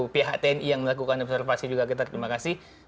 pihak tni yang melakukan observasi juga kita terima kasih